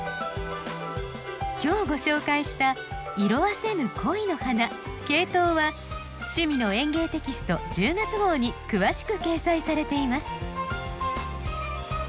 今日ご紹介した「“色あせぬ恋”の花ケイトウ」は「趣味の園芸」テキスト１０月号に詳しく掲載されています。